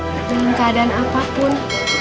dalam keadaan apapun